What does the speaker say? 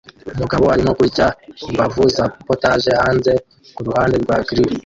Umugabo arimo kurya imbavu za POTAGE hanze kuruhande rwa grill